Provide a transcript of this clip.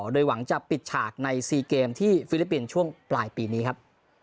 โดยหวังจะปิดฉากใน๔เกมที่ฟิลิปปินส์ช่วงปลายปีนี้ครับ